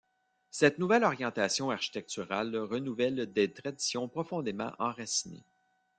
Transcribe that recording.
Cette nouvelle orientation architecturale renouvelle des traditions profondément enracinées.